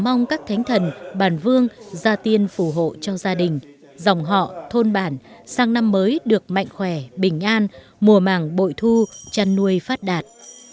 mong các thánh thần bàn vương gia tiên phù hộ cho gia đình dòng họ thôn bản sang năm mới được mạnh khỏe bình an mùa màng bội thu chăn nuôi phát đạt